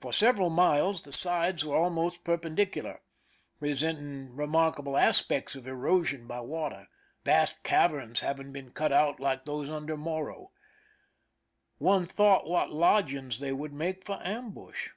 For several miles the sides were almost perpendicular, presenting remarkable aspects of erosion by water, vast caverns having been cut out like those under Morro. One thought what lodgings they would make for ambush.